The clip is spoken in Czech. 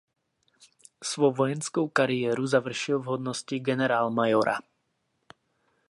Svou vojenskou kariéru završil v hodnosti generálmajora.